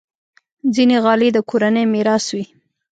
ځینې غالۍ د کورنۍ میراث وي.